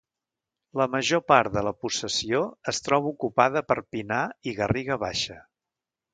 La major part de la possessió es troba ocupada per pinar i garriga baixa.